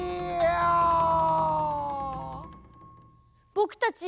ぼくたち